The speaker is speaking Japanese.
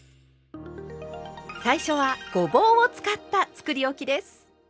最初はごぼうを使ったつくりおきです。